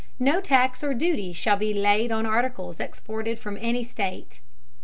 No Tax or Duty shall be laid on Articles exported from any State.